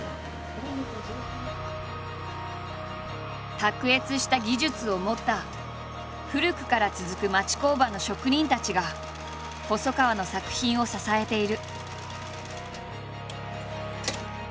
卓越した技術を持った古くから続く町工場の職人たちが細川の作品を支えている。